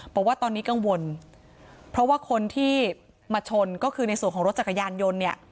บอกว่าตอนนี้กังวลเพราะว่าคนที่มาชนก็คือในส่วนของรถจักรยานยนต์เนี่ย